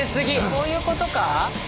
こういうことか？